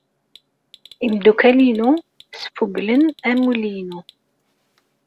Imeddukal-inu sfuglen amulli-inu.